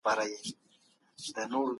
مجاهدین په غرو کي د دین ساتنه کوی.